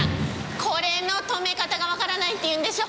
これの止め方がわからないっていうんでしょ。